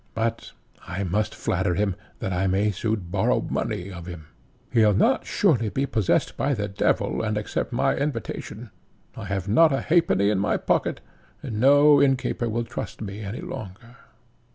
But I must flatter him, that I may soon borrow money of him. He'll not surely be possessed by the devil, and accept my invitation; I have not a halfpenny in my pocket, and no innkeeper will trust me any longer."